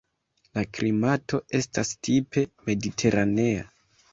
La klimato estas tipe mediteranea.